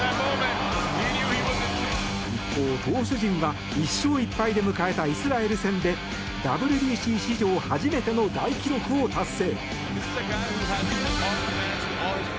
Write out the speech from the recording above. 一方、投手陣は１勝１敗で迎えたイスラエル戦でＷＢＣ史上初めての大記録を達成。